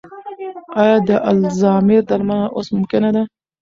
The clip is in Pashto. ایا د الزایمر درملنه اوس ممکنه ده؟